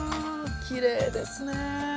きれいですね。